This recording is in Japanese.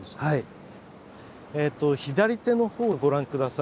左手の方ご覧下さい。